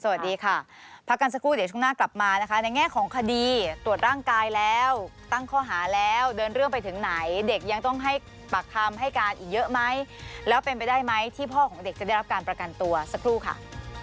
สวัสดีค่ะพักกันสักครู่เดี๋ยวช่วงหน้ากลับมานะคะในแง่ของคดีตรวจร่างกายแล้วตั้งข้อหาแล้วเดินเรื่องไปถึงไหนเด็กยังต้องให้ปากคำให้การอีกเยอะไหมแล้วเป็นไปได้ไหมที่พ่อของเด็กจะได้รับการประกันตัวสักครู่ค่ะ